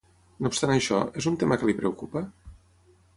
No obstant això, és un tema que li preocupa?